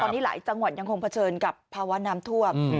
ตอนนี้หลายจังหวัดยังคงเผชิญกับภาวะน้ำท่วม